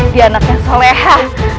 dia anak yang soleha